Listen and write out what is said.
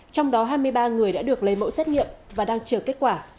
trong đó hai mươi ba người đã được lấy mẫu xét nghiệm và đang chờ kết quả